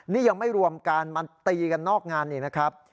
นี่ยังไม่รวมการมาตีกันนอกงานอีกนะครับ